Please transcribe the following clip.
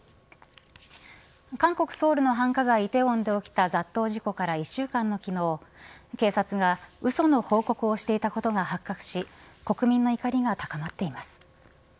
韓国、ソウルの繁華街梨泰院で起きた雑踏事故から１週間の昨日警察がうその報告をしていたことが発覚し国民の怒りが高まっています。